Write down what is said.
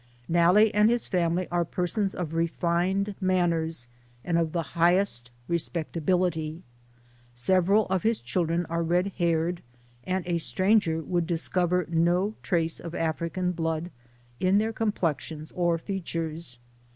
Nalle and his family are persons of refined manners, and of the highest respectability. Several of his children are red haired, and a stranger would discover no trace of African blood in their complexions or features.